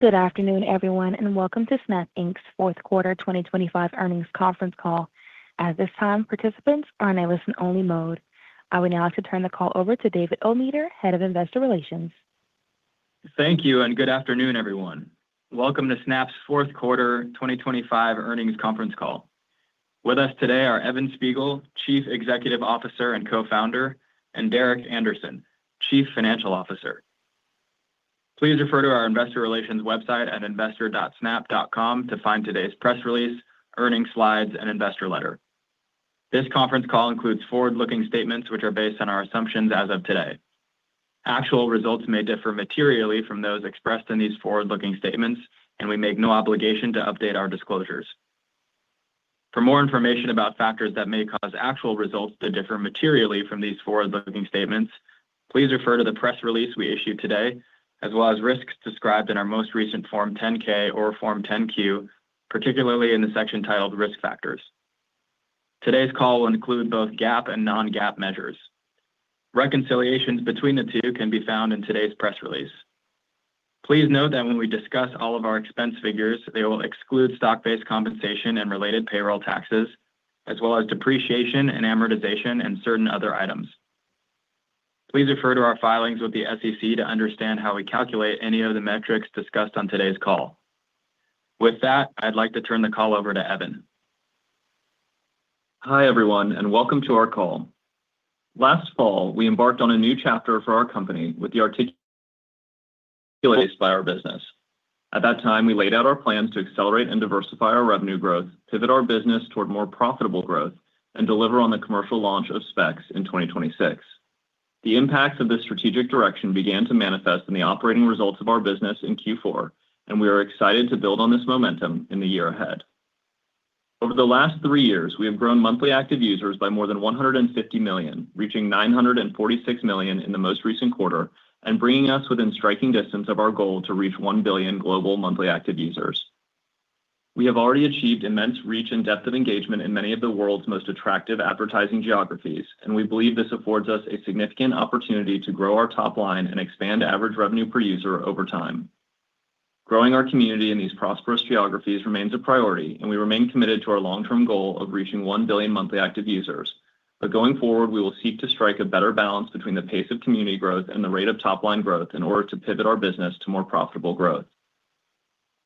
Good afternoon, everyone, and welcome to Snap Inc.'s fourth quarter 2025 earnings conference call. At this time, participants are in a listen-only mode. I would now like to turn the call over to David Ometer, Head of Investor Relations. Thank you, and good afternoon, everyone. Welcome to Snap's fourth quarter 2025 earnings conference call. With us today are Evan Spiegel, Chief Executive Officer and Co-founder, and Derek Andersen, Chief Financial Officer. Please refer to our investor relations website at investor.snap.com to find today's press release, earnings slides, and investor letter. This conference call includes forward-looking statements which are based on our assumptions as of today. Actual results may differ materially from those expressed in these forward-looking statements, and we make no obligation to update our disclosures. For more information about factors that may cause actual results to differ materially from these forward-looking statements, please refer to the press release we issued today, as well as risks described in our most recent Form 10-K or Form 10-Q, particularly in the section titled Risk Factors. Today's call will include both GAAP and non-GAAP measures. Reconciliations between the two can be found in today's press release. Please note that when we discuss all of our expense figures, they will exclude stock-based compensation and related payroll taxes, as well as depreciation and amortization and certain other items. Please refer to our filings with the SEC to understand how we calculate any of the metrics discussed on today's call. With that, I'd like to turn the call over to Evan. Hi, everyone, and welcome to our call. Last fall, we embarked on a new chapter for our company with the articulated by our business. At that time, we laid out our plans to accelerate and diversify our revenue growth, pivot our business toward more profitable growth, and deliver on the commercial launch of Specs in 2026. The impacts of this strategic direction began to manifest in the operating results of our business in Q4, and we are excited to build on this momentum in the year ahead. Over the last three years, we have grown monthly active users by more than 150 million, reaching 946 million in the most recent quarter and bringing us within striking distance of our goal to reach 1 billion global monthly active users. We have already achieved immense reach and depth of engagement in many of the world's most attractive advertising geographies, and we believe this affords us a significant opportunity to grow our top line and expand average revenue per user over time. Growing our community in these prosperous geographies remains a priority, and we remain committed to our long-term goal of reaching 1 billion monthly active users. Going forward, we will seek to strike a better balance between the pace of community growth and the rate of top-line growth in order to pivot our business to more profitable growth.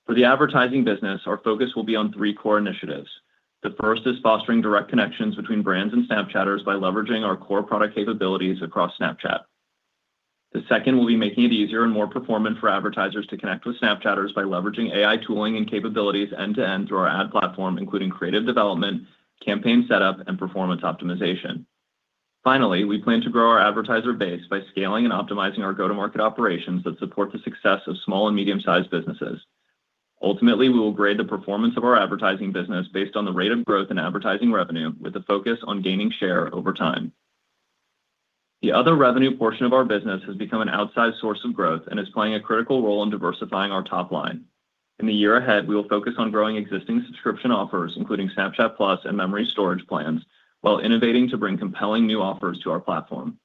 For the advertising business, our focus will be on three core initiatives. The first is fostering direct connections between brands and Snapchatters by leveraging our core product capabilities across Snapchat. The second will be making it easier and more performant for advertisers to connect with Snapchatters by leveraging AI tooling and capabilities end-to-end through our ad platform, including creative development, campaign setup, and performance optimization. Finally, we plan to grow our advertiser base by scaling and optimizing our go-to-market operations that support the success of small and medium-sized businesses. Ultimately, we will grade the performance of our advertising business based on the rate of growth in advertising revenue, with a focus on gaining share over time. The other revenue portion of our business has become an outsized source of growth and is playing a critical role in diversifying our top line. In the year ahead, we will focus on growing existing subscription offers, including Snapchat+ and memory storage plans, while innovating to bring compelling new offers to our platform.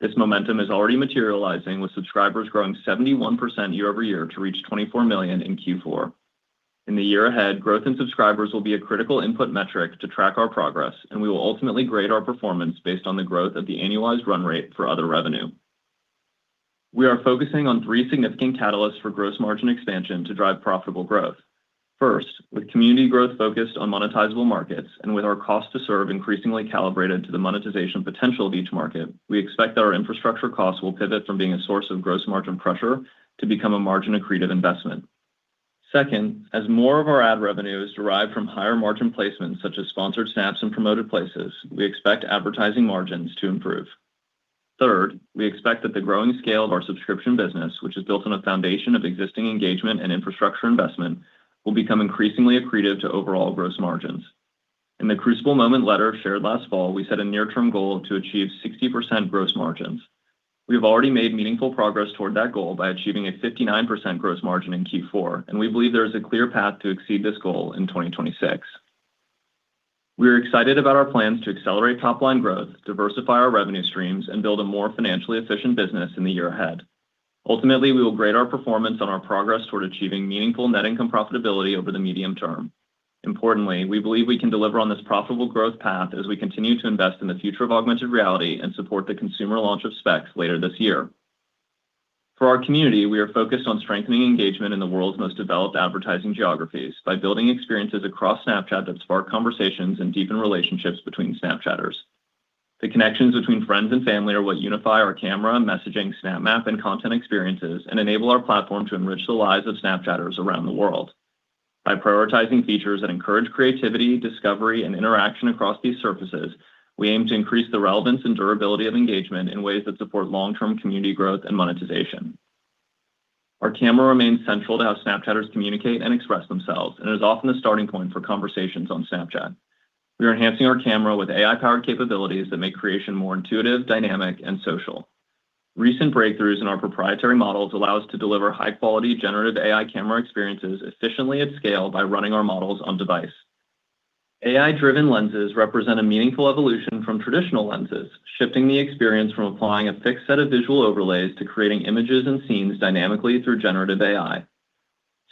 This momentum is already materializing, with subscribers growing 71% year-over-year to reach 24 million in Q4. In the year ahead, growth in subscribers will be a critical input metric to track our progress, and we will ultimately grade our performance based on the growth of the annualized run rate for other revenue. We are focusing on three significant catalysts for gross margin expansion to drive profitable growth. First, with community growth focused on monetizable markets and with our cost to serve increasingly calibrated to the monetization potential of each market, we expect that our infrastructure costs will pivot from being a source of gross margin pressure to become a margin accretive investment. Second, as more of our ad revenue is derived from higher-margin placements, such as Sponsored Snaps and Promoted Places, we expect advertising margins to improve. Third, we expect that the growing scale of our subscription business, which is built on a foundation of existing engagement and infrastructure investment, will become increasingly accretive to overall gross margins. In the Crucible Moment letter shared last fall, we set a near-term goal to achieve 60% gross margins. We have already made meaningful progress toward that goal by achieving a 59% gross margin in Q4, and we believe there is a clear path to exceed this goal in 2026. We are excited about our plans to accelerate top-line growth, diversify our revenue streams, and build a more financially efficient business in the year ahead. Ultimately, we will grade our performance on our progress toward achieving meaningful net income profitability over the medium term. Importantly, we believe we can deliver on this profitable growth path as we continue to invest in the future of augmented reality and support the consumer launch of Specs later this year. For our community, we are focused on strengthening engagement in the world's most developed advertising geographies by building experiences across Snapchat that spark conversations and deepen relationships between Snapchatters. The connections between friends and family are what unify our camera, messaging, Snap Map, and content experiences, and enable our platform to enrich the lives of Snapchatters around the world. By prioritizing features that encourage creativity, discovery, and interaction across these surfaces, we aim to increase the relevance and durability of engagement in ways that support long-term community growth and monetization. Our camera remains central to how Snapchatters communicate and express themselves and is often the starting point for conversations on Snapchat. We are enhancing our camera with AI-powered capabilities that make creation more intuitive, dynamic, and social. Recent breakthroughs in our proprietary models allow us to deliver high-quality generative AI camera experiences efficiently at scale by running our models on-device. AI-driven lenses represent a meaningful evolution from traditional lenses, shifting the experience from applying a fixed set of visual overlays to creating images and scenes dynamically through generative AI.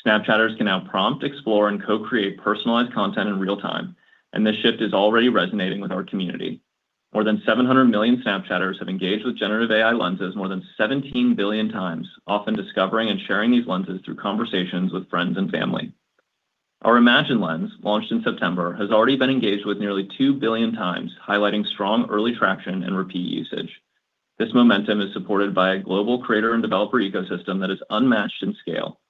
Snapchatters can now prompt, explore, and co-create personalized content in real time, and this shift is already resonating with our community. More than 700 million Snapchatters have engaged with generative AI lenses more than 17 billion times, often discovering and sharing these lenses through conversations with friends and family. Our Imagine Lens, launched in September, has already been engaged with nearly 2 billion times, highlighting strong early traction and repeat usage. This momentum is supported by a global creator and developer ecosystem that is unmatched in scale.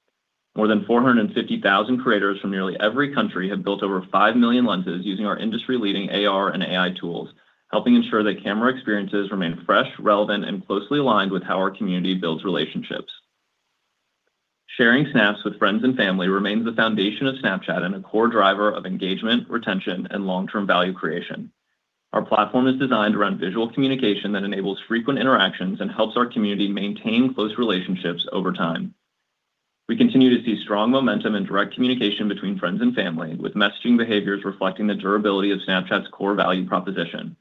More than 450,000 creators from nearly every country have built over 5 million lenses using our industry-leading AR and AI tools, helping ensure that camera experiences remain fresh, relevant, and closely aligned with how our community builds relationships. Sharing snaps with friends and family remains the foundation of Snapchat and a core driver of engagement, retention, and long-term value creation. Our platform is designed around visual communication that enables frequent interactions and helps our community maintain close relationships over time. We continue to see strong momentum in direct communication between friends and family, with messaging behaviors reflecting the durability of Snapchat's core value proposition.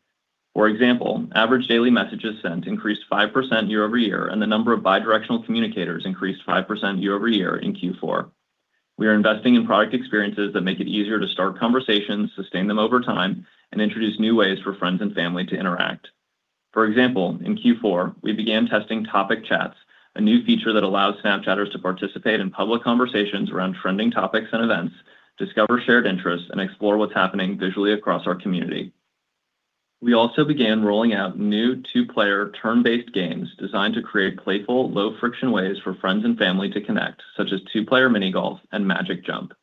For example, average daily messages sent increased 5% year-over-year, and the number of bidirectional communicators increased 5% year-over-year in Q4. We are investing in product experiences that make it easier to start conversations, sustain them over time, and introduce new ways for friends and family to interact. For example, in Q4, we began testing Topic Chats, a new feature that allows Snapchatters to participate in public conversations around trending topics and events, discover shared interests, and explore what's happening visually across our community. We also began rolling out new two player turn-based games designed to create playful, low-friction ways for friends and family to connect, such as 2-Player Mini Golf and Magic Jump.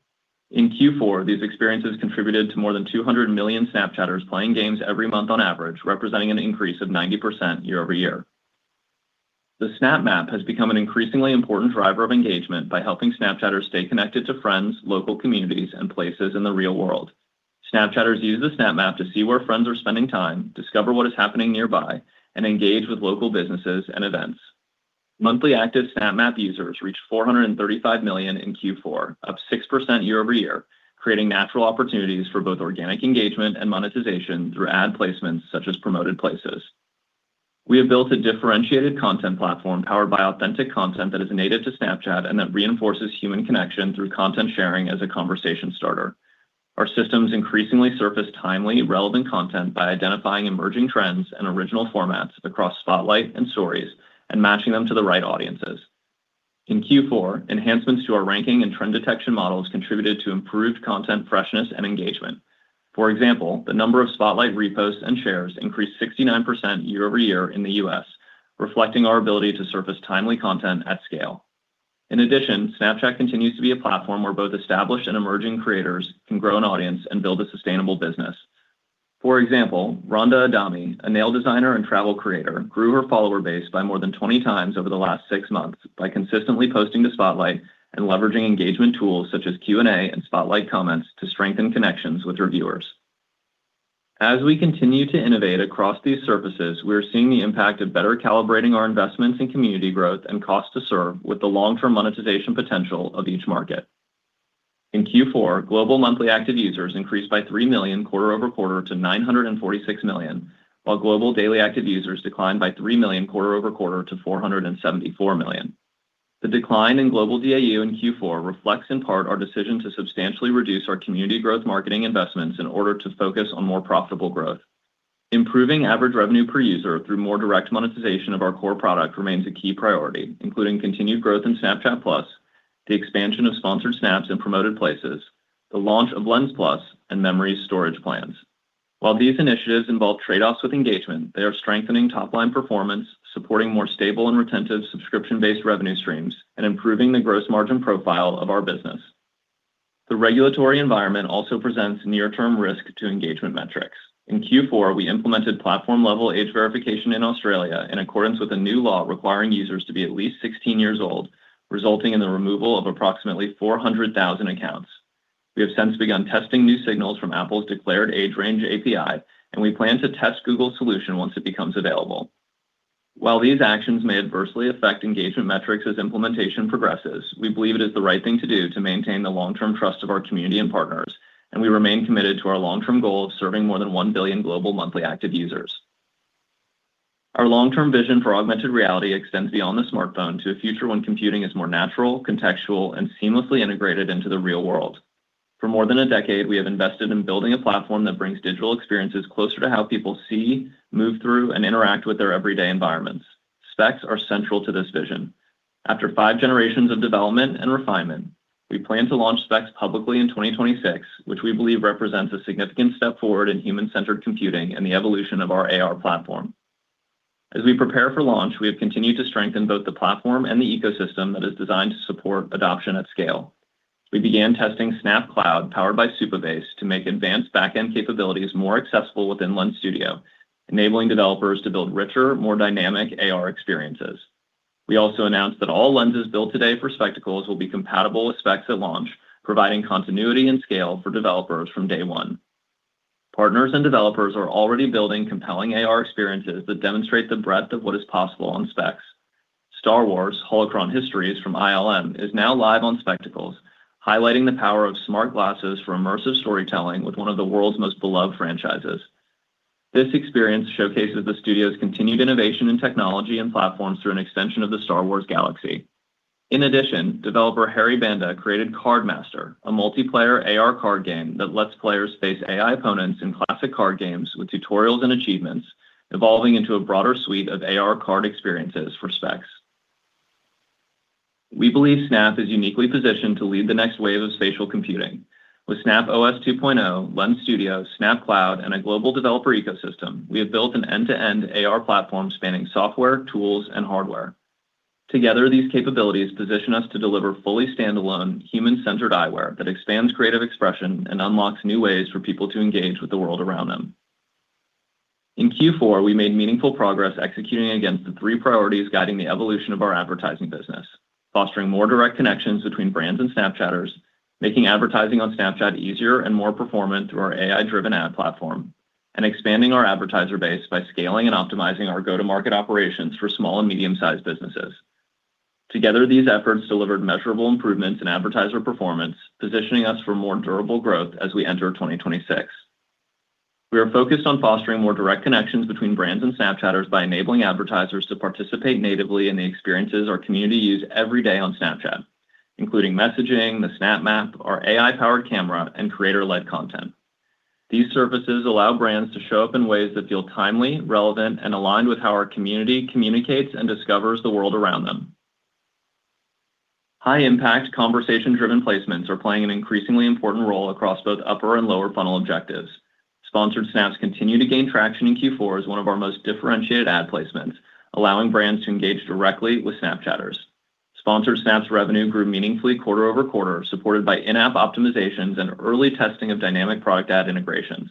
In Q4, these experiences contributed to more than 200 million Snapchatters playing games every month on average, representing an increase of 90% year-over-year. The Snap Map has become an increasingly important driver of engagement by helping Snapchatters stay connected to friends, local communities, and places in the real world. Snapchatters use the Snap Map to see where friends are spending time, discover what is happening nearby, and engage with local businesses and events. Monthly active Snap Map users reached 435 million in Q4, up 6% year-over-year, creating natural opportunities for both organic engagement and monetization through ad placements such as Promoted Places. We have built a differentiated content platform powered by authentic content that is native to Snapchat and that reinforces human connection through content sharing as a conversation starter. Our systems increasingly surface timely, relevant content by identifying emerging trends and original formats across Spotlight and Stories and matching them to the right audiences. In Q4, enhancements to our ranking and trend detection models contributed to improved content freshness and engagement. For example, the number of Spotlight reposts and shares increased 69% year-over-year in the U.S., reflecting our ability to surface timely content at scale. In addition, Snapchat continues to be a platform where both established and emerging creators can grow an audience and build a sustainable business. For example, Randa Adamy, a nail designer and travel creator, grew her follower base by more than 20 times over the last 6 months by consistently posting to Spotlight and leveraging engagement tools such as Q&A and Spotlight comments to strengthen connections with her viewers. As we continue to innovate across these surfaces, we are seeing the impact of better calibrating our investments in community growth and cost to serve with the long-term monetization potential of each market. In Q4, global monthly active users increased by 3 million quarter-over-quarter to 946 million, while global daily active users declined by 3 million quarter-over-quarter to 474 million. The decline in global DAU in Q4 reflects, in part, our decision to substantially reduce our community growth marketing investments in order to focus on more profitable growth. Improving average revenue per user through more direct monetization of our core product remains a key priority, including continued growth in Snapchat+, the expansion of Sponsored Snaps and Promoted Places, the launch of Lens Plus, and memories storage plans. While these initiatives involve trade-offs with engagement, they are strengthening top-line performance, supporting more stable and retentive subscription-based revenue streams, and improving the gross margin profile of our business. The regulatory environment also presents near-term risk to engagement metrics. In Q4, we implemented platform-level age verification in Australia, in accordance with a new law requiring users to be at least 16 years old, resulting in the removal of approximately 400,000 accounts. We have since begun testing new signals from Apple's declared age range API, and we plan to test Google's solution once it becomes available. While these actions may adversely affect engagement metrics as implementation progresses, we believe it is the right thing to do to maintain the long-term trust of our community and partners, and we remain committed to our long-term goal of serving more than 1 billion global monthly active users. Our long-term vision for augmented reality extends beyond the smartphone to a future when computing is more natural, contextual, and seamlessly integrated into the real world. For more than a decade, we have invested in building a platform that brings digital experiences closer to how people see, move through, and interact with their everyday environments. Specs are central to this vision. After five generations of development and refinement, we plan to launch Specs publicly in 2026, which we believe represents a significant step forward in human-centered computing and the evolution of our AR platform. As we prepare for launch, we have continued to strengthen both the platform and the ecosystem that is designed to support adoption at scale. We began testing Snap Cloud, powered by Supabase, to make advanced back-end capabilities more accessible within Lens Studio, enabling developers to build richer, more dynamic AR experiences. We also announced that all lenses built today for Spectacles will be compatible with Specs at launch, providing continuity and scale for developers from day one. Partners and developers are already building compelling AR experiences that demonstrate the breadth of what is possible on Specs.... Star Wars: Holocron Histories from ILM is now live on Spectacles, highlighting the power of smart glasses for immersive storytelling with one of the world's most beloved franchises. This experience showcases the studio's continued innovation in technology and platforms through an extension of the Star Wars galaxy. In addition, developer Harry Banda created Card Master, a multiplayer AR card game that lets players face AI opponents in classic card games with tutorials and achievements, evolving into a broader suite of AR card experiences for specs. We believe Snap is uniquely positioned to lead the next wave of spatial computing. With Snap OS 2.0, Lens Studio, Snap Cloud, and a global developer ecosystem, we have built an end-to-end AR platform spanning software, tools, and hardware. Together, these capabilities position us to deliver fully standalone, human-centered eyewear that expands creative expression and unlocks new ways for people to engage with the world around them. In Q4, we made meaningful progress executing against the three priorities guiding the evolution of our advertising business, fostering more direct connections between brands and Snapchatters, making advertising on Snapchat easier and more performant through our AI-driven ad platform, and expanding our advertiser base by scaling and optimizing our go-to-market operations for small and medium-sized businesses. Together, these efforts delivered measurable improvements in advertiser performance, positioning us for more durable growth as we enter 2026. We are focused on fostering more direct connections between brands and Snapchatters by enabling advertisers to participate natively in the experiences our community use every day on Snapchat, including messaging, the Snap Map, our AI-powered camera, and creator-led content. These services allow brands to show up in ways that feel timely, relevant, and aligned with how our community communicates and discovers the world around them. High-impact, conversation-driven placements are playing an increasingly important role across both upper and lower funnel objectives. Sponsored Snaps continue to gain traction in Q4 as one of our most differentiated ad placements, allowing brands to engage directly with Snapchatters. Sponsored Snaps revenue grew meaningfully quarter-over-quarter, supported by in-app optimizations and early testing of dynamic product ad integrations.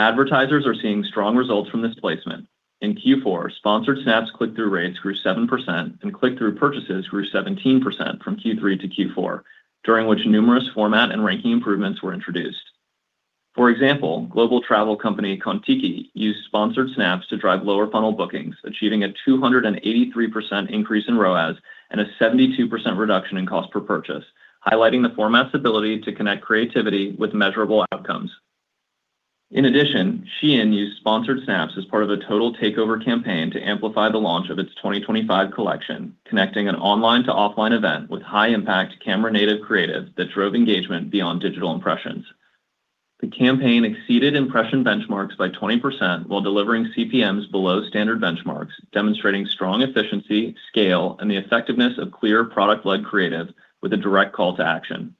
Advertisers are seeing strong results from this placement. In Q4, Sponsored Snaps click-through rates grew 7%, and click-through purchases grew 17% from Q3 to Q4, during which numerous format and ranking improvements were introduced. For example, global travel company, Contiki, used Sponsored Snaps to drive lower funnel bookings, achieving a 283% increase in ROAS and a 72% reduction in cost per purchase, highlighting the format's ability to connect creativity with measurable outcomes. In addition, Shein used Sponsored Snaps as part of a total takeover campaign to amplify the launch of its 2025 collection, connecting an online to offline event with high-impact camera-native creative that drove engagement beyond digital impressions. The campaign exceeded impression benchmarks by 20% while delivering CPMs below standard benchmarks, demonstrating strong efficiency, scale, and the effectiveness of clear product-led creative with a direct call to action.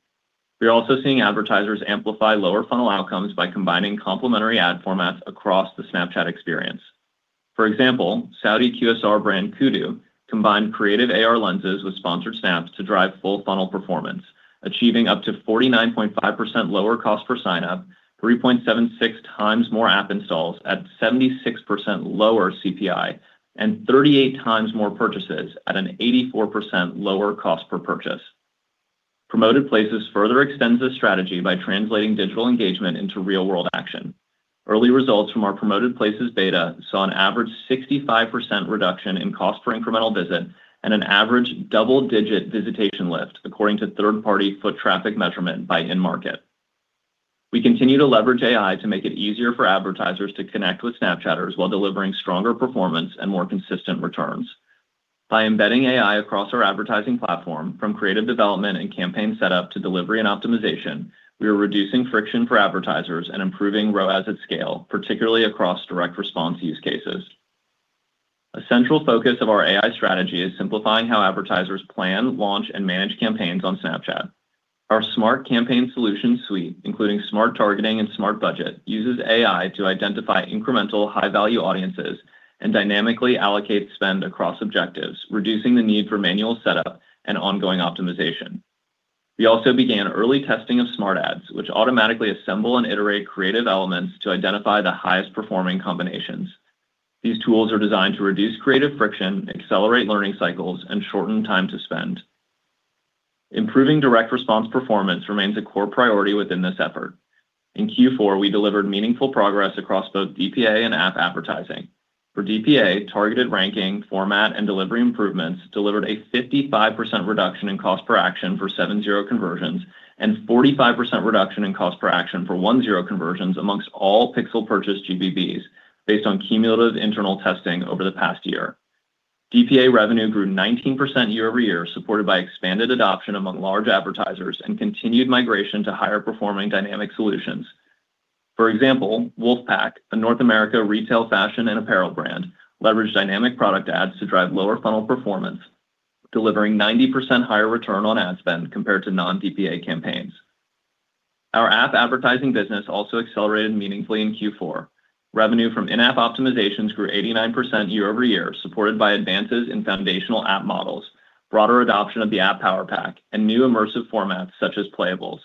We are also seeing advertisers amplify lower funnel outcomes by combining complementary ad formats across the Snapchat experience. For example, Saudi QSR brand, Kudu, combined creative AR lenses with Sponsored Snaps to drive full funnel performance, achieving up to 49.5% lower cost per sign-up, 3.76 times more app installs at 76% lower CPI, and 38 times more purchases at an 84% lower cost per purchase. Promoted Places further extends this strategy by translating digital engagement into real-world action. Early results from our Promoted Places beta saw an average 65% reduction in cost for incremental visit and an average double-digit visitation lift, according to third-party foot traffic measurement by InMarket. We continue to leverage AI to make it easier for advertisers to connect with Snapchatters while delivering stronger performance and more consistent returns. By embedding AI across our advertising platform, from creative development and campaign setup to delivery and optimization, we are reducing friction for advertisers and improving ROAS at scale, particularly across direct response use cases. A central focus of our AI strategy is simplifying how advertisers plan, launch, and manage campaigns on Snapchat. Our smart campaign solution suite, including Smart Targeting and Smart Budget, uses AI to identify incremental, high-value audiences and dynamically allocate spend across objectives, reducing the need for manual setup and ongoing optimization. We also began early testing of Smart Ads, which automatically assemble and iterate creative elements to identify the highest-performing combinations. These tools are designed to reduce creative friction, accelerate learning cycles, and shorten time to spend. Improving direct response performance remains a core priority within this effort. In Q4, we delivered meaningful progress across both DPA and app advertising. For DPA, targeted ranking, format, and delivery improvements delivered a 55% reduction in cost per action for 7/0 conversions and 45% reduction in cost per action for 1/0 conversions among all pixel purchase GBBs, based on cumulative internal testing over the past year. DPA revenue grew 19% year-over-year, supported by expanded adoption among large advertisers and continued migration to higher-performing dynamic solutions. For example, WOLFpak, a North America retail fashion and apparel brand, leveraged dynamic product ads to drive lower funnel performance, delivering 90% higher return on ad spend compared to non-DPA campaigns. Our app advertising business also accelerated meaningfully in Q4. Revenue from in-app optimizations grew 89% year-over-year, supported by advances in foundational app models, broader adoption of the App Power Pack, and new immersive formats such as Playables.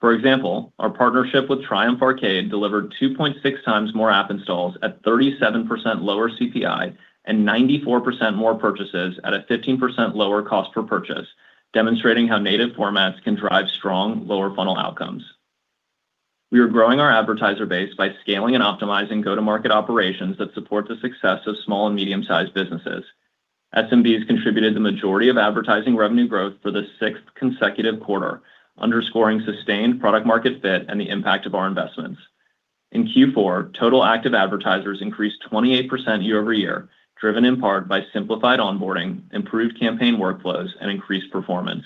For example, our partnership with Triumph Arcade delivered 2.6 times more app installs at 37% lower CPI and 94% more purchases at a 15% lower cost per purchase, demonstrating how native formats can drive strong lower funnel outcomes. We are growing our advertiser base by scaling and optimizing go-to-market operations that support the success of small and medium-sized businesses. SMBs contributed the majority of advertising revenue growth for the sixth consecutive quarter, underscoring sustained product market fit and the impact of our investments. In Q4, total active advertisers increased 28% year-over-year, driven in part by simplified onboarding, improved campaign workflows, and increased performance.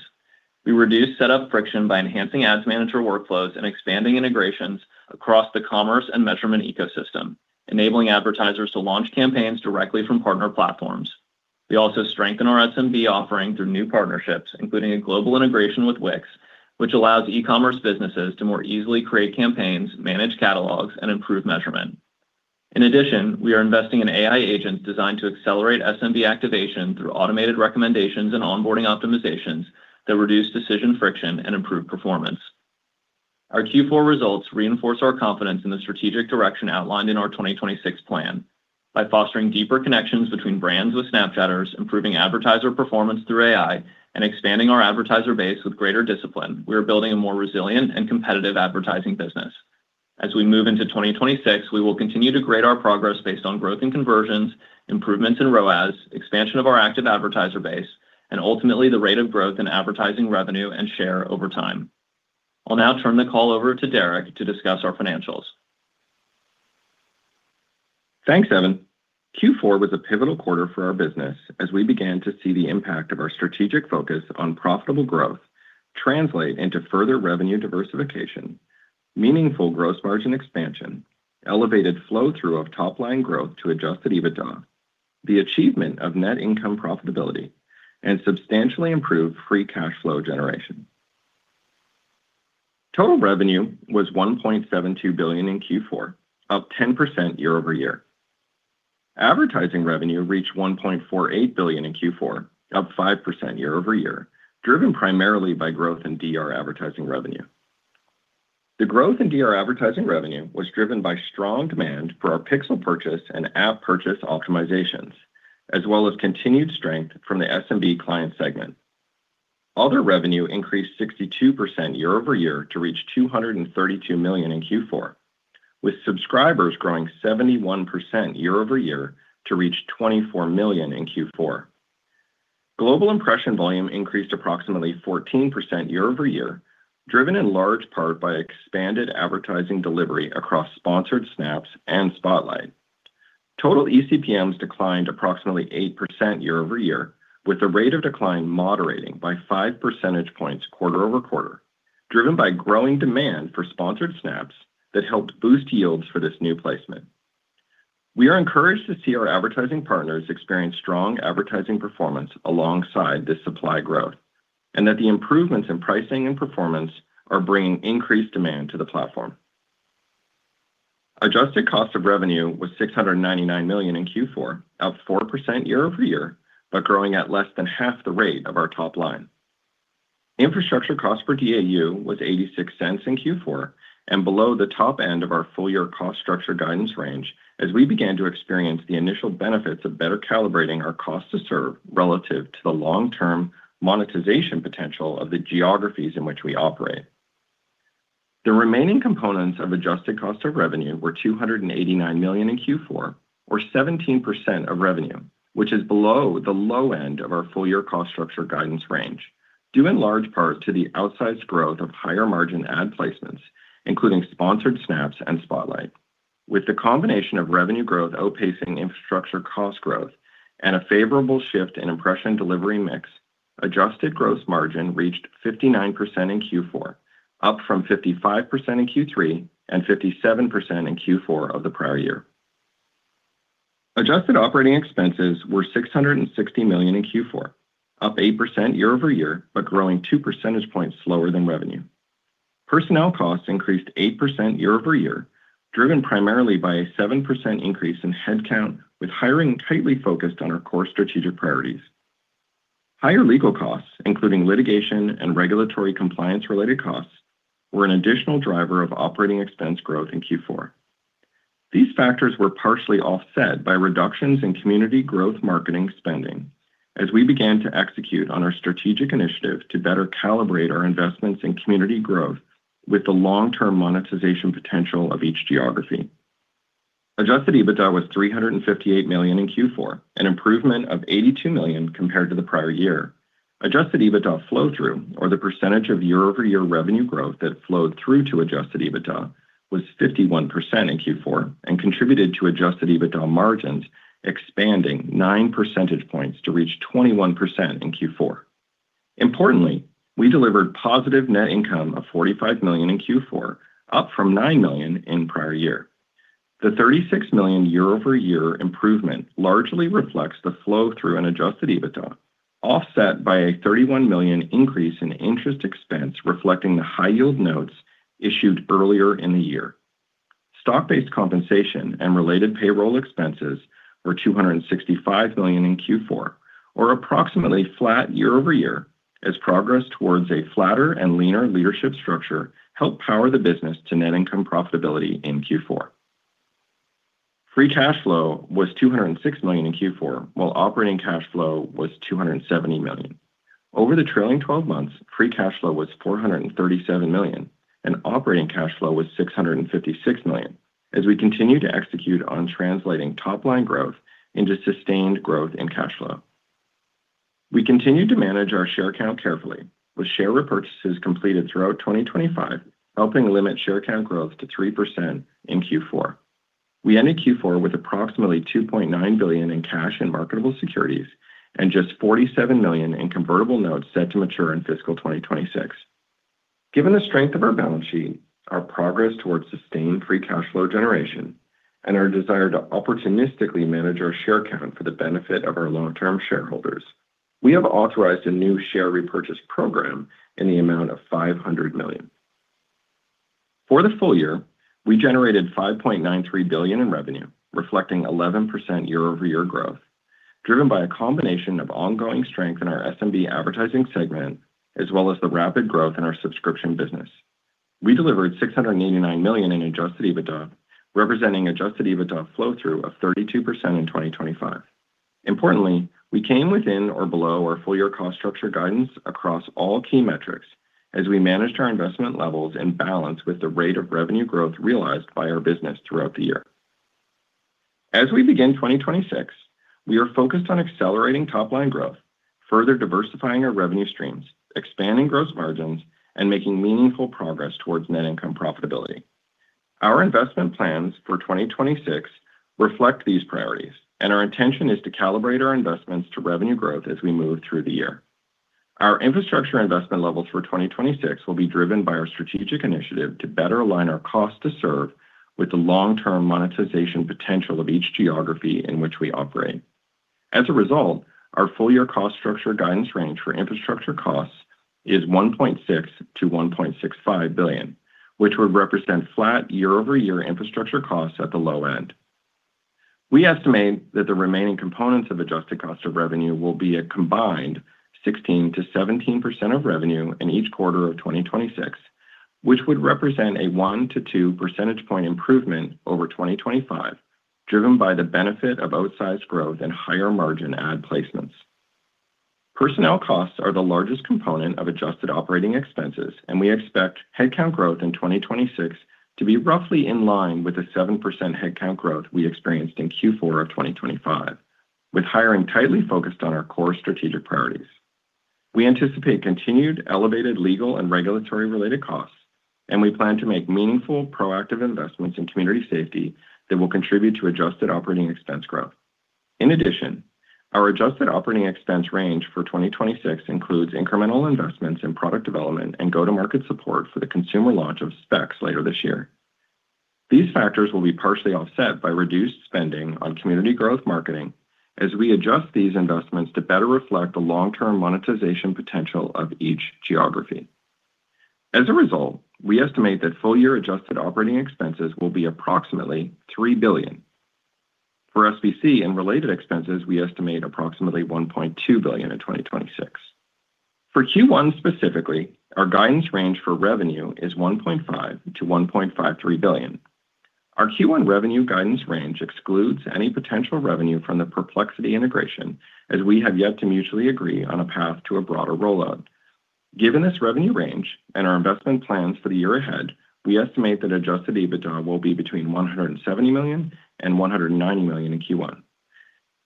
We reduced setup friction by enhancing ads manager workflows and expanding integrations across the commerce and measurement ecosystem, enabling advertisers to launch campaigns directly from partner platforms. We also strengthened our SMB offering through new partnerships, including a global integration with Wix, which allows e-commerce businesses to more easily create campaigns, manage catalogs, and improve measurement. In addition, we are investing in AI agents designed to accelerate SMB activation through automated recommendations and onboarding optimizations that reduce decision friction and improve performance. Our Q4 results reinforce our confidence in the strategic direction outlined in our 2026 plan. By fostering deeper connections between brands with Snapchatters, improving advertiser performance through AI, and expanding our advertiser base with greater discipline, we are building a more resilient and competitive advertising business. As we move into 2026, we will continue to grade our progress based on growth and conversions, improvements in ROAS, expansion of our active advertiser base, and ultimately, the rate of growth in advertising revenue and share over time. I'll now turn the call over to Derek to discuss our financials. Thanks, Evan. Q4 was a pivotal quarter for our business as we began to see the impact of our strategic focus on profitable growth translate into further revenue diversification, meaningful gross margin expansion, elevated flow-through of top-line growth to adjusted EBITDA, the achievement of net income profitability, and substantially improved free cash flow generation. Total revenue was $1.72 billion in Q4, up 10% year-over-year. Advertising revenue reached $1.48 billion in Q4, up 5% year-over-year, driven primarily by growth in DR advertising revenue. The growth in DR advertising revenue was driven by strong demand for our pixel purchase and app purchase optimizations, as well as continued strength from the SMB client segment. Other revenue increased 62% year-over-year to reach $232 million in Q4, with subscribers growing 71% year-over-year to reach 24 million in Q4. Global impression volume increased approximately 14% year-over-year, driven in large part by expanded advertising delivery across Sponsored Snaps and Spotlight. Total eCPMs declined approximately 8% year-over-year, with the rate of decline moderating by 5 percentage points quarter-over-quarter, driven by growing demand for Sponsored Snaps that helped boost yields for this new placement. We are encouraged to see our advertising partners experience strong advertising performance alongside this supply growth, and that the improvements in pricing and performance are bringing increased demand to the platform. Adjusted cost of revenue was $699 million in Q4, up 4% year-over-year, but growing at less than half the rate of our top line. Infrastructure cost per DAU was $0.86 in Q4 and below the top end of our full-year cost structure guidance range as we began to experience the initial benefits of better calibrating our cost to serve relative to the long-term monetization potential of the geographies in which we operate. The remaining components of adjusted cost of revenue were $289 million in Q4 or 17% of revenue, which is below the low end of our full-year cost structure guidance range, due in large part to the outsized growth of higher-margin ad placements, including Sponsored Snaps and Spotlight. With the combination of revenue growth outpacing infrastructure cost growth and a favorable shift in impression delivery mix, adjusted gross margin reached 59% in Q4, up from 55% in Q3 and 57% in Q4 of the prior year. Adjusted Operating Expenses were $660 million in Q4, up 8% year-over-year, but growing two percentage points slower than revenue. Personnel costs increased 8% year-over-year, driven primarily by a 7% increase in headcount, with hiring tightly focused on our core strategic priorities. Higher legal costs, including litigation and regulatory compliance-related costs, were an additional driver of operating expense growth in Q4. These factors were partially offset by reductions in community growth marketing spending as we began to execute on our strategic initiative to better calibrate our investments in community growth with the long-term monetization potential of each geography. Adjusted EBITDA was $358 million in Q4, an improvement of $82 million compared to the prior year. Adjusted EBITDA flow-through, or the percentage of year-over-year revenue growth that flowed through to adjusted EBITDA, was 51% in Q4 and contributed to adjusted EBITDA margins, expanding 9 percentage points to reach 21% in Q4. Importantly, we delivered positive net income of $45 million in Q4, up from $9 million in prior year. The $36 million year-over-year improvement largely reflects the flow-through in adjusted EBITDA, offset by a $31 million increase in interest expense, reflecting the high yield notes issued earlier in the year. Stock-based compensation and related payroll expenses were $265 million in Q4 or approximately flat year-over-year, as progress towards a flatter and leaner leadership structure helped power the business to net income profitability in Q4. Free cash flow was $206 million in Q4, while operating cash flow was $270 million. Over the trailing twelve months, free cash flow was $437 million, and operating cash flow was $656 million, as we continue to execute on translating top-line growth into sustained growth in cash flow. We continued to manage our share count carefully, with share repurchases completed throughout 2025, helping limit share count growth to 3% in Q4. We ended Q4 with approximately $2.9 billion in cash and marketable securities, and just $47 million in convertible notes set to mature in fiscal 2026. Given the strength of our balance sheet, our progress towards sustained free cash flow generation, and our desire to opportunistically manage our share count for the benefit of our long-term shareholders, we have authorized a new share repurchase program in the amount of $500 million. For the full year, we generated $5.93 billion in revenue, reflecting 11% year-over-year growth, driven by a combination of ongoing strength in our SMB advertising segment, as well as the rapid growth in our subscription business. We delivered $689 million in Adjusted EBITDA, representing Adjusted EBITDA flow-through of 32% in 2025. Importantly, we came within or below our full year cost structure guidance across all key metrics as we managed our investment levels in balance with the rate of revenue growth realized by our business throughout the year. As we begin 2026, we are focused on accelerating top-line growth, further diversifying our revenue streams, expanding gross margins, and making meaningful progress towards net income profitability. Our investment plans for 2026 reflect these priorities, and our intention is to calibrate our investments to revenue growth as we move through the year. Our infrastructure investment levels for 2026 will be driven by our strategic initiative to better align our cost to serve with the long-term monetization potential of each geography in which we operate. As a result, our full-year cost structure guidance range for infrastructure costs is $1.6 billion-$1.65 billion, which would represent flat year-over-year infrastructure costs at the low end. We estimate that the remaining components of Adjusted Cost of Revenue will be a combined 16%-17% of revenue in each quarter of 2026, which would represent a 1-2 percentage point improvement over 2025, driven by the benefit of outsized growth and higher-margin ad placements. Personnel costs are the largest component of adjusted operating expenses, and we expect headcount growth in 2026 to be roughly in line with the 7% headcount growth we experienced in Q4 of 2025, with hiring tightly focused on our core strategic priorities. We anticipate continued elevated legal and regulatory-related costs, and we plan to make meaningful, proactive investments in community safety that will contribute to adjusted operating expense growth. In addition, our adjusted operating expense range for 2026 includes incremental investments in product development and go-to-market support for the consumer launch of Specs later this year. These factors will be partially offset by reduced spending on community growth marketing as we adjust these investments to better reflect the long-term monetization potential of each geography. As a result, we estimate that full-year adjusted operating expenses will be approximately $3 billion. For SBC and related expenses, we estimate approximately $1.2 billion in 2026. For Q1 specifically, our guidance range for revenue is $1.5 billion-$1.53 billion. Our Q1 revenue guidance range excludes any potential revenue from the Perplexity integration, as we have yet to mutually agree on a path to a broader rollout. Given this revenue range and our investment plans for the year ahead, we estimate that Adjusted EBITDA will be between $170 million and $190 million in Q1.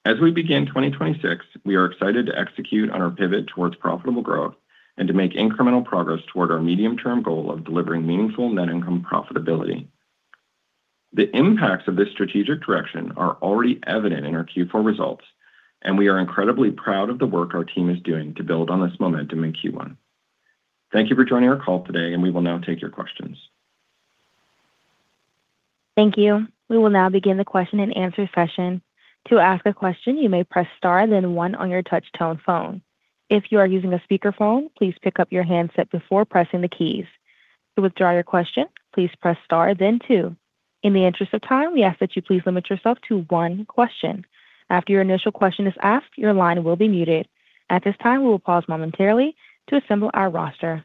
As we begin 2026, we are excited to execute on our pivot towards profitable growth and to make incremental progress toward our medium-term goal of delivering meaningful net income profitability. The impacts of this strategic direction are already evident in our Q4 results, and we are incredibly proud of the work our team is doing to build on this momentum in Q1. Thank you for joining our call today, and we will now take your questions. Thank you. We will now begin the question-and-answer session. To ask a question, you may press star and then one on your touchtone phone. If you are using a speakerphone, please pick up your handset before pressing the keys. To withdraw your question, please press star, then two. In the interest of time, we ask that you please limit yourself to one question. After your initial question is asked, your line will be muted. At this time, we will pause momentarily to assemble our roster.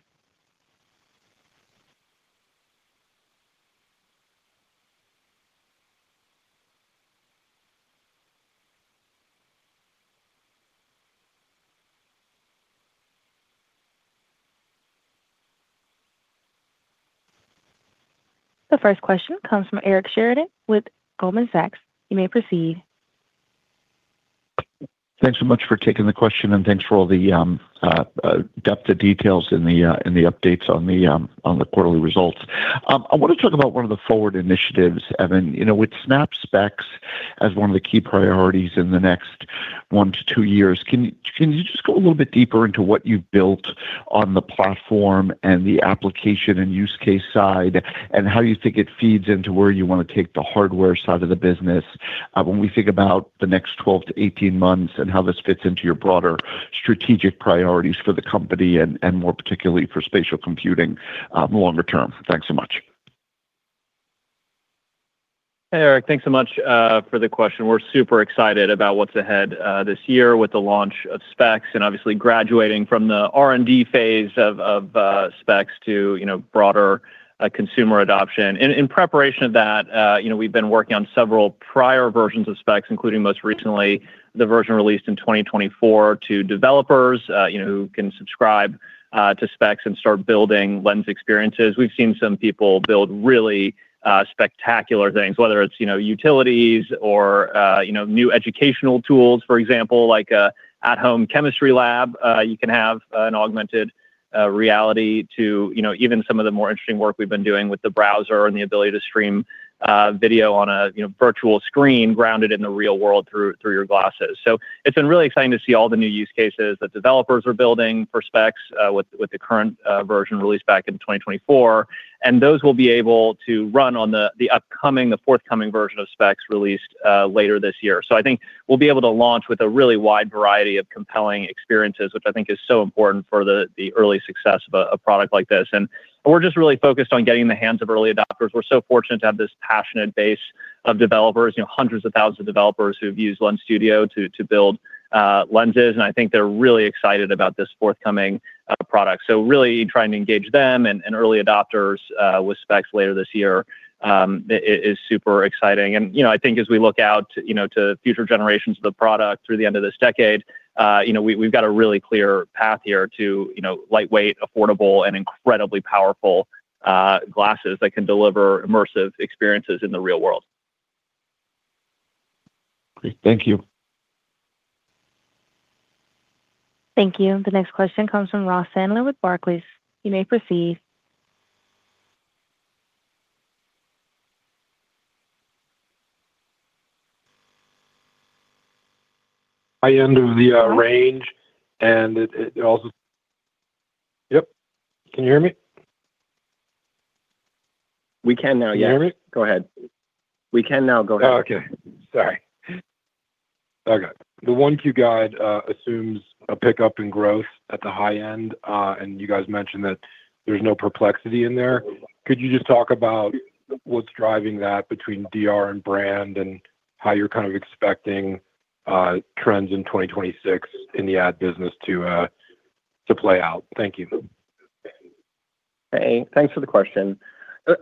The first question comes from Eric Sheridan with Goldman Sachs. You may proceed. Thanks so much for taking the question, and thanks for all the depth of details in the updates on the quarterly results. I want to talk about one of the forward initiatives, Evan. You know, with Snap Specs as one of the key priorities in the next 1-2 years, can you just go a little bit deeper into what you've built on the platform and the application and use case side, and how you think it feeds into where you want to take the hardware side of the business, when we think about the next 12-18 months and how this fits into your broader strategic priorities for the company and, more particularly for spatial computing, longer term? Thanks so much. Hey, Eric. Thanks so much for the question. We're super excited about what's ahead this year with the launch of Specs and obviously graduating from the R&D phase of Specs to, you know, broader-... consumer adoption. In preparation of that, you know, we've been working on several prior versions of Specs, including most recently, the version released in 2024 to developers, you know, who can subscribe to Specs and start building lens experiences. We've seen some people build really spectacular things, whether it's, you know, utilities or, you know, new educational tools, for example, like an at-home chemistry lab. You can have an augmented reality to, you know, even some of the more interesting work we've been doing with the browser and the ability to stream video on a, you know, virtual screen grounded in the real world through your glasses. So it's been really exciting to see all the new use cases that developers are building for Specs, with the current version released back in 2024, and those will be able to run on the forthcoming version of Specs released later this year. So I think we'll be able to launch with a really wide variety of compelling experiences, which I think is so important for the early success of a product like this. And we're just really focused on getting in the hands of early adopters. We're so fortunate to have this passionate base of developers, you know, hundreds of thousands of developers who've used Lens Studio to build lenses, and I think they're really excited about this forthcoming product. So really trying to engage them and early adopters with Specs later this year is super exciting. And, you know, I think as we look out, you know, to future generations of the product through the end of this decade, you know, we, we've got a really clear path here to, you know, lightweight, affordable, and incredibly powerful glasses that can deliver immersive experiences in the real world. Great. Thank you. Thank you. The next question comes from Ross Sandler with Barclays. You may proceed. ... high end of the range, and it also - Yep, can you hear me? We can now, yes. Can you hear me? Go ahead. We can now. Go ahead. Oh, okay. Sorry. Okay. The 1Q guide assumes a pickup in growth at the high end, and you guys mentioned that there's no Perplexity in there. Could you just talk about what's driving that between DR and brand, and how you're kind of expecting trends in 2026 in the ad business to play out? Thank you. Hey, thanks for the question.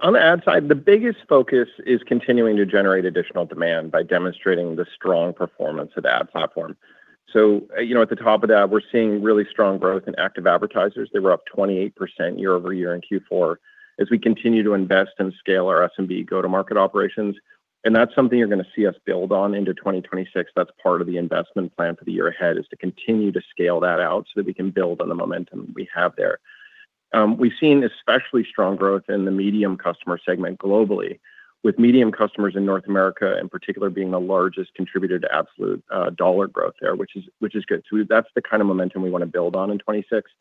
On the ad side, the biggest focus is continuing to generate additional demand by demonstrating the strong performance of the ad platform. So, you know, at the top of that, we're seeing really strong growth in active advertisers. They were up 28% year-over-year in Q4 as we continue to invest and scale our SMB go-to-market operations, and that's something you're gonna see us build on into 2026. That's part of the investment plan for the year ahead, is to continue to scale that out, so that we can build on the momentum we have there. We've seen especially strong growth in the medium customer segment globally, with medium customers in North America, in particular, being the largest contributor to absolute dollar growth there, which is, which is good. So that's the kind of momentum we want to build on in 2026.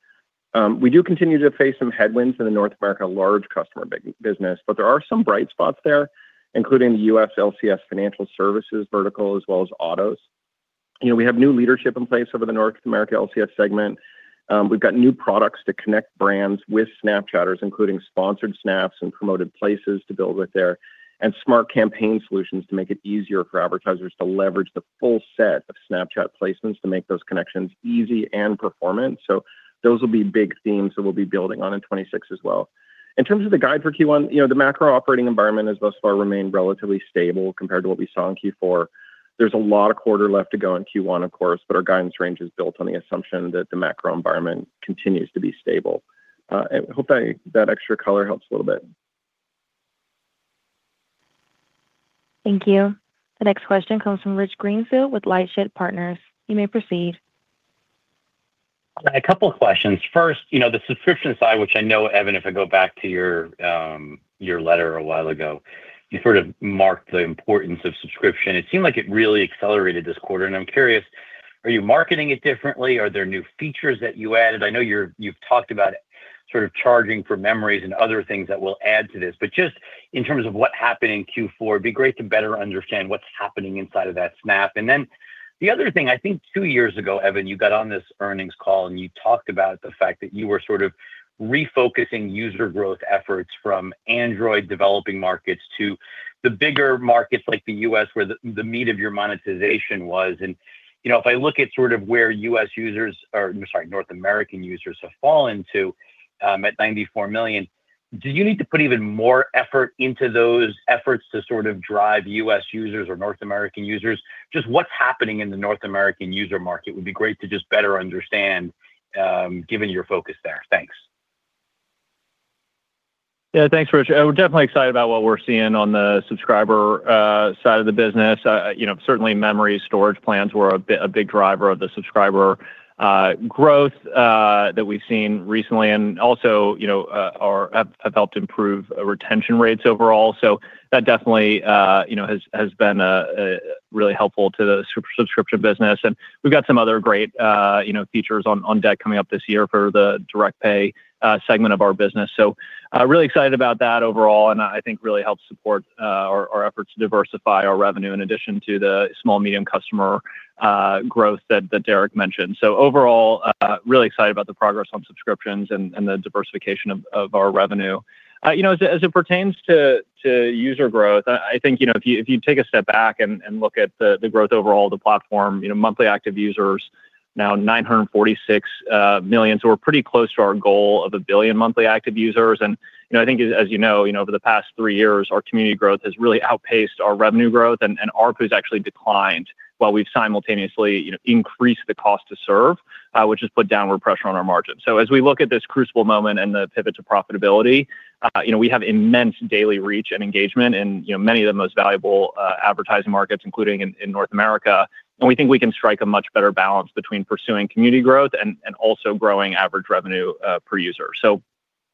We do continue to face some headwinds in the North America large customer business, but there are some bright spots there, including the US LCS Financial Services vertical, as well as autos. You know, we have new leadership in place over the North America LCS segment. We've got new products to connect brands with Snapchatters, including Sponsored Snaps and Promoted Places to build with there, and smart campaign solutions to make it easier for advertisers to leverage the full set of Snapchat placements to make those connections easy and performant. So those will be big themes that we'll be building on in 2026 as well. In terms of the guide for Q1, you know, the macro operating environment has thus far remained relatively stable compared to what we saw in Q4. There's a lot of quarter left to go in Q1, of course, but our guidance range is built on the assumption that the macro environment continues to be stable. I hope that extra color helps a little bit. Thank you. The next question comes from Rich Greenfield with LightShed Partners. You may proceed. A couple of questions. First, you know, the subscription side, which I know, Evan, if I go back to your, your letter a while ago, you sort of marked the importance of subscription. It seemed like it really accelerated this quarter, and I'm curious, are you marketing it differently? Are there new features that you added? I know you've talked about sort of charging for memories and other things that will add to this, but just in terms of what happened in Q4, it'd be great to better understand what's happening inside of that Snap. And then the other thing, I think two years ago, Evan, you got on this earnings call, and you talked about the fact that you were sort of refocusing user growth efforts from Android developing markets to the bigger markets like the U.S., where the, the meat of your monetization was. You know, if I look at sort of where US users are... I'm sorry, North American users have fallen to at 94 million, do you need to put even more effort into those efforts to sort of drive US users or North American users? Just what's happening in the North American user market? Would be great to just better understand, given your focus there. Thanks. Yeah. Thanks, Rich. We're definitely excited about what we're seeing on the subscriber side of the business. You know, certainly memory storage plans were a big driver of the subscriber growth that we've seen recently and also, you know, have helped improve retention rates overall. So that definitely, you know, has been really helpful to the subscription business, and we've got some other great, you know, features on deck coming up this year for the direct pay segment of our business. So, really excited about that overall, and I think really helps support our efforts to diversify our revenue in addition to the small medium customer growth that Derek mentioned. So overall, really excited about the progress on subscriptions and the diversification of our revenue. You know, as it pertains to user growth, I think, you know, if you take a step back and look at the growth overall of the platform, you know, monthly active users now 946 million. So we're pretty close to our goal of 1 billion monthly active users. And, you know, I think as you know, over the past 3 years, our community growth has really outpaced our revenue growth, and ARPU has actually declined while we've simultaneously, you know, increased the cost to serve, which has put downward pressure on our margins. So as we look at this crucible moment and the pivot to profitability, you know, we have immense daily reach and engagement in, you know, many of the most valuable advertising markets, including in North America. And we think we can strike a much better balance between pursuing community growth and also growing average revenue per user. So,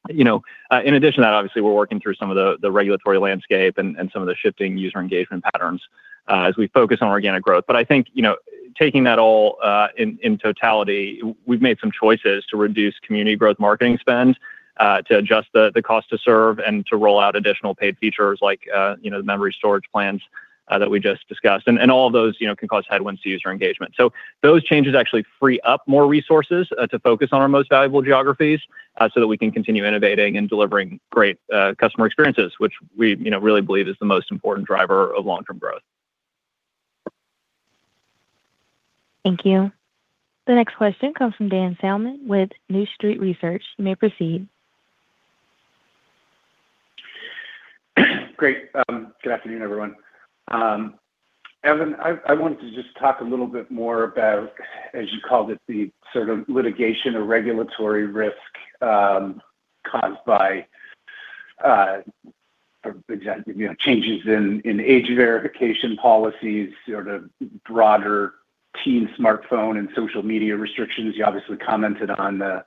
you know, in addition to that, obviously, we're working through some of the regulatory landscape and some of the shifting user engagement patterns as we focus on organic growth. But I think, you know, taking that all in totality, we've made some choices to reduce community growth marketing spend to adjust the cost to serve and to roll out additional paid features like, you know, the memory storage plans that we just discussed. And all of those, you know, can cause headwinds to user engagement. So those changes actually free up more resources to focus on our most valuable geographies so that we can continue innovating and delivering great customer experiences, which we, you know, really believe is the most important driver of long-term growth. Thank you. The next question comes from Dan Salmon with New Street Research. You may proceed. Great. Good afternoon, everyone. Evan, I wanted to just talk a little bit more about, as you called it, the sort of litigation or regulatory risk caused by you know, changes in age verification policies, sort of broader teen smartphone and social media restrictions. You obviously commented on the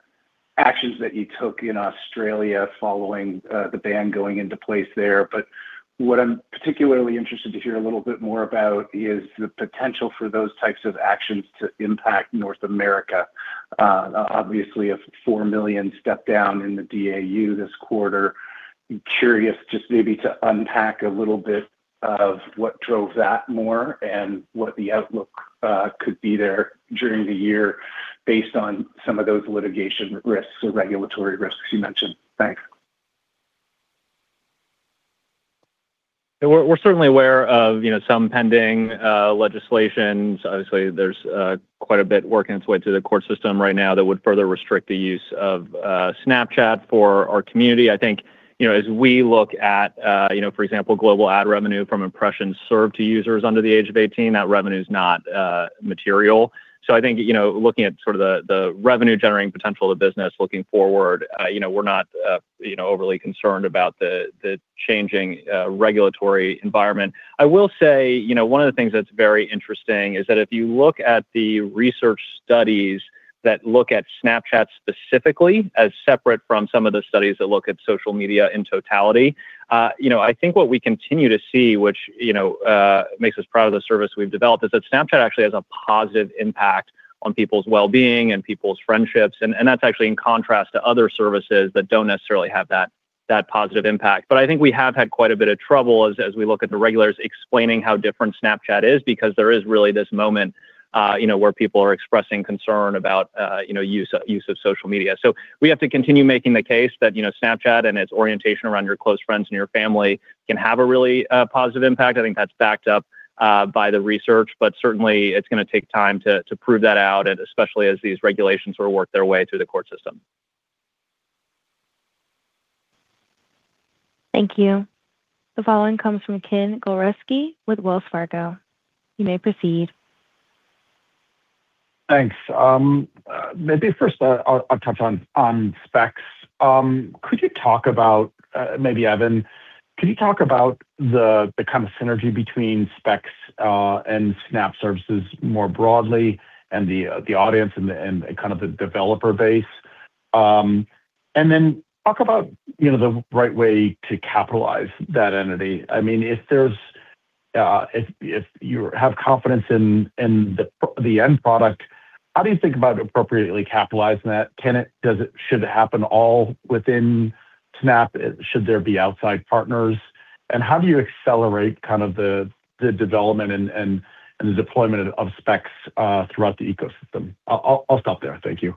actions that you took in Australia following the ban going into place there. But what I'm particularly interested to hear a little bit more about is the potential for those types of actions to impact North America. Obviously, a 4 million step down in the DAU this quarter. Curious just maybe to unpack a little bit of what drove that more, and what the outlook could be there during the year based on some of those litigation risks or regulatory risks you mentioned. Thanks. We're certainly aware of, you know, some pending legislation. Obviously, there's quite a bit working its way through the court system right now that would further restrict the use of Snapchat for our community. I think, you know, as we look at, you know, for example, global ad revenue from impressions served to users under the age of 18, that revenue is not material. So I think, you know, looking at sort of the revenue-generating potential of business looking forward, you know, we're not overly concerned about the changing regulatory environment. I will say, you know, one of the things that's very interesting is that if you look at the research studies that look at Snapchat specifically as separate from some of the studies that look at social media in totality, you know, I think what we continue to see, which, you know, makes us proud of the service we've developed, is that Snapchat actually has a positive impact on people's well-being and people's friendships, and that's actually in contrast to other services that don't necessarily have that positive impact. But I think we have had quite a bit of trouble as we look at the regulators explaining how different Snapchat is, because there is really this moment, you know, where people are expressing concern about, you know, use of social media. So we have to continue making the case that, you know, Snapchat and its orientation around your close friends and your family can have a really positive impact. I think that's backed up by the research, but certainly it's gonna take time to prove that out, and especially as these regulations sort of work their way through the court system. Thank you. The following comes from Ken Gawrelski with Wells Fargo. You may proceed. Thanks. Maybe first, I'll touch on specs. Could you talk about, maybe, Evan, could you talk about the kind of synergy between specs and Snap services more broadly, and the audience and kind of the developer base? And then talk about, you know, the right way to capitalize that entity. I mean, if there's, if you have confidence in the end product, how do you think about appropriately capitalizing that? Can it? Does it... Should it happen all within Snap? Should there be outside partners? And how do you accelerate kind of the development and the deployment of specs throughout the ecosystem? I'll stop there. Thank you.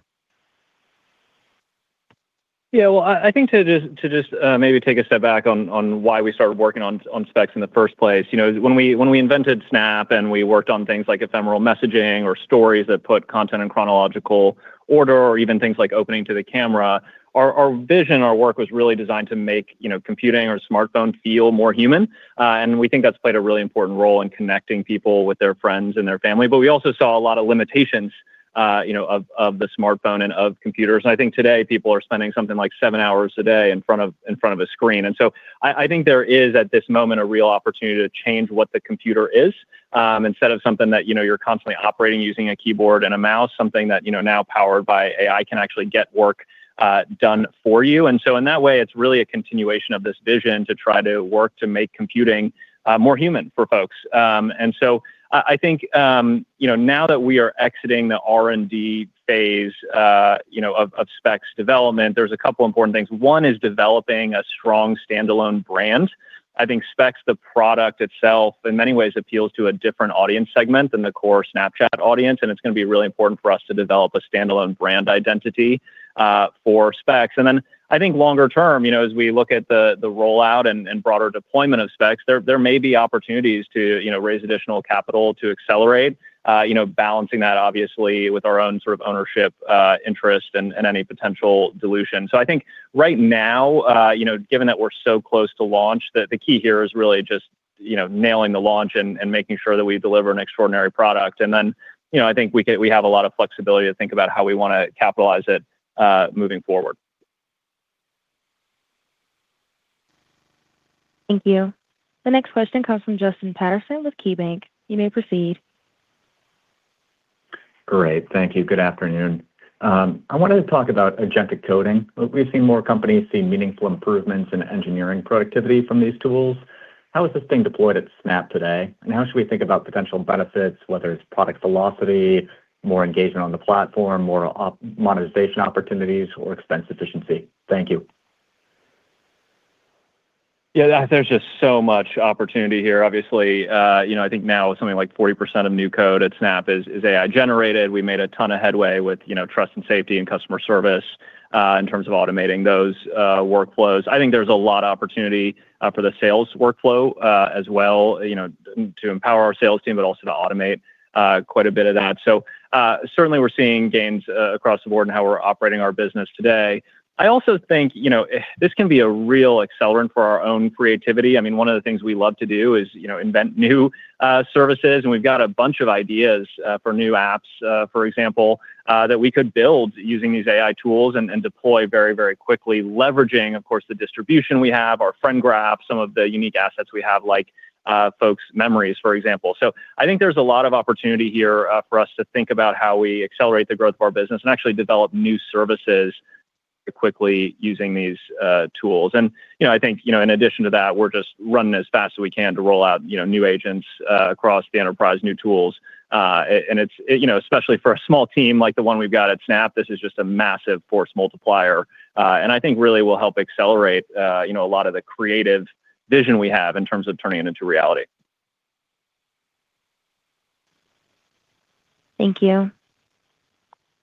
Yeah, well, I think to just maybe take a step back on why we started working on specs in the first place. You know, when we invented Snap, and we worked on things like ephemeral messaging or Stories that put content in chronological order or even things like opening to the camera, our vision, our work was really designed to make, you know, computing or smartphone feel more human. And we think that's played a really important role in connecting people with their friends and their family. But we also saw a lot of limitations, you know, of the smartphone and of computers. I think today, people are spending something like seven hours a day in front of a screen. And so I think there is, at this moment, a real opportunity to change what the computer is. Instead of something that, you know, you're constantly operating using a keyboard and a mouse, something that, you know, now powered by AI, can actually get work done for you. And so in that way, it's really a continuation of this vision to try to work to make computing more human for folks. And so I think, you know, now that we are exiting the R&D phase, you know, of Specs development, there's a couple important things. One is developing a strong standalone brand. I think Specs, the product itself, in many ways, appeals to a different audience segment than the core Snapchat audience, and it's gonna be really important for us to develop a standalone brand identity for Specs. Then I think longer term, you know, as we look at the rollout and broader deployment of Specs, there may be opportunities to, you know, raise additional capital to accelerate, you know, balancing that obviously with our own sort of ownership interest and any potential dilution. So I think right now, you know, given that we're so close to launch, the key here is really just, you know, nailing the launch and making sure that we deliver an extraordinary product. And then, you know, I think we can we have a lot of flexibility to think about how we wanna capitalize it, moving forward. Thank you. The next question comes from Justin Patterson with KeyBanc. You may proceed. Great. Thank you. Good afternoon. I wanted to talk about agentic coding. We've seen more companies see meaningful improvements in engineering productivity from these tools. How is this being deployed at Snap today? And how should we think about potential benefits, whether it's product velocity, more engagement on the platform, more monetization opportunities, or expense efficiency? Thank you. Yeah, there's just so much opportunity here. Obviously, you know, I think now something like 40% of new code at Snap is AI-generated. We made a ton of headway with, you know, trust and safety and customer service in terms of automating those workflows. I think there's a lot of opportunity for the sales workflow as well, you know, to empower our sales team, but also to automate quite a bit of that. So, certainly, we're seeing gains across the board in how we're operating our business today. I also think, you know, this can be a real accelerant for our own creativity. I mean, one of the things we love to do is, you know, invent new services, and we've got a bunch of ideas for new apps, for example, that we could build using these AI tools and deploy very, very quickly, leveraging, of course, the distribution we have, our friend graph, some of the unique assets we have, like folks' memories, for example. So I think there's a lot of opportunity here for us to think about how we accelerate the growth of our business and actually develop new services quickly using these tools. And, you know, I think, you know, in addition to that, we're just running as fast as we can to roll out, you know, new agents across the enterprise, new tools, and it's... You know, especially for a small team like the one we've got at Snap, this is just a massive force multiplier, and I think really will help accelerate, you know, a lot of the creative vision we have in terms of turning it into reality. Thank you.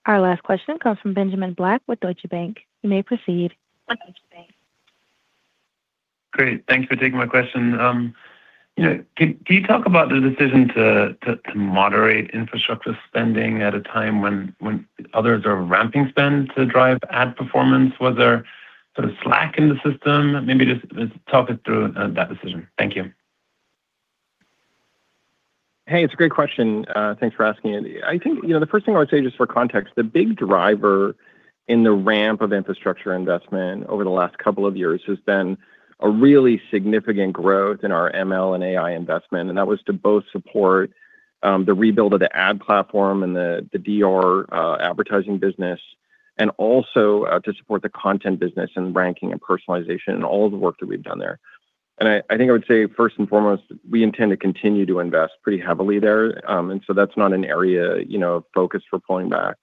Our last question comes from Benjamin Black with Deutsche Bank. You may proceed. Great. Thank you for taking my question. You know, can you talk about the decision to moderate infrastructure spending at a time when others are ramping spend to drive ad performance? Was there sort of slack in the system? Maybe just talk us through that decision. Thank you. Hey, it's a great question. Thanks for asking it. I think, you know, the first thing I would say, just for context, the big driver in the ramp of infrastructure investment over the last couple of years has been a really significant growth in our ML and AI investment, and that was to both support the rebuild of the ad platform and the AR advertising business, and also to support the content business and ranking and personalization and all of the work that we've done there. And I think I would say, first and foremost, we intend to continue to invest pretty heavily there, and so that's not an area, you know, of focus for pulling back.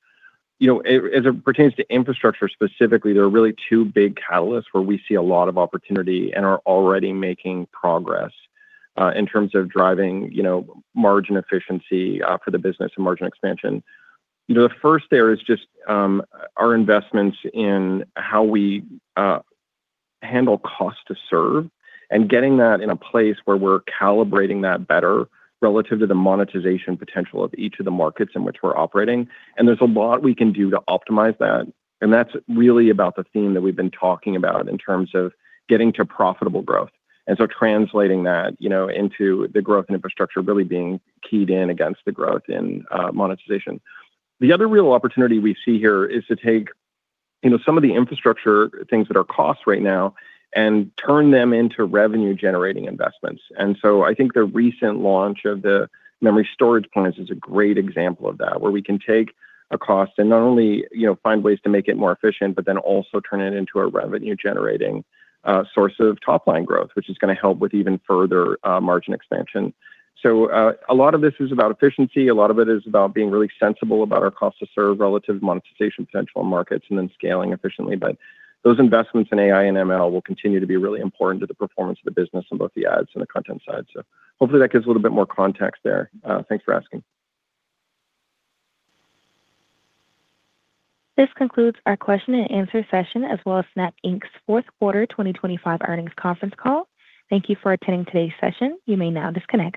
You know, as it pertains to infrastructure specifically, there are really two big catalysts where we see a lot of opportunity and are already making progress in terms of driving, you know, margin efficiency for the business and margin expansion. You know, the first there is just our investments in how we handle cost to serve and getting that in a place where we're calibrating that better relative to the monetization potential of each of the markets in which we're operating. And there's a lot we can do to optimize that, and that's really about the theme that we've been talking about in terms of getting to profitable growth. And so translating that, you know, into the growth in infrastructure really being keyed in against the growth in monetization. The other real opportunity we see here is to take, you know, some of the infrastructure, things that are cost right now and turn them into revenue-generating investments. So I think the recent launch of the memory storage points is a great example of that, where we can take a cost and not only, you know, find ways to make it more efficient, but then also turn it into a revenue-generating source of top-line growth, which is gonna help with even further margin expansion. So, a lot of this is about efficiency. A lot of it is about being really sensible about our cost to serve relative monetization potential markets and then scaling efficiently. But those investments in AI and ML will continue to be really important to the performance of the business on both the ads and the content side. So hopefully that gives a little bit more context there. Thanks for asking. This concludes our question and answer session, as well as Snap Inc.'s fourth quarter 2025 earnings conference call. Thank you for attending today's session. You may now disconnect.